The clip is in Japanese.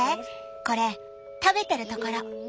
これ食べてるところ。